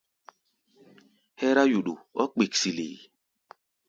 Hɛ́rá yuɗu ɔ́ kpiksili.